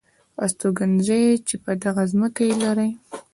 استوګنځي چې په دغه ځمکه یې لرئ .